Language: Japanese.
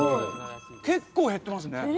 結構減ってますね。